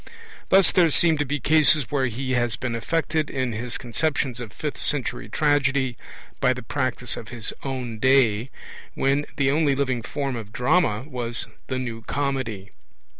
Thus there seem to be cases where he has been affected in his conceptions of fifth century tragedy by the practice of his own day, when the only living form of drama was the New Comedy.